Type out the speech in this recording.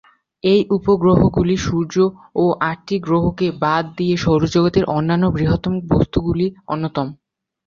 এই উপগ্রহগুলি সূর্য ও আটটি গ্রহকে বাদ দিয়ে সৌরজগতের অন্যান্য বৃহত্তম বস্তুগুলির অন্যতম।